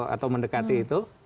atau mendekati itu